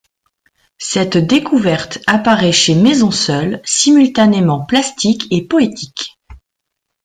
Cette découverte apparaît chez Maisonseul simultanément plastique et poétique.